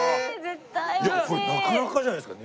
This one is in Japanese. いやこれなかなかじゃないですか？